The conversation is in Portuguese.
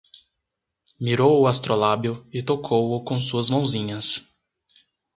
Mirou o astrolábio e tocou-o com suas mãozinhas